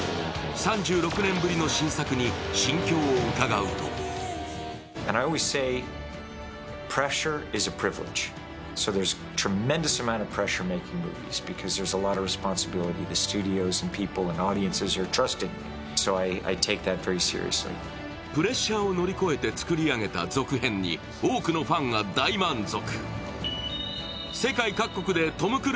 ３６年ぶりの新作に心境を伺うとプレッシャーを乗り越えて作り上げた続編に多くのファンが大満足。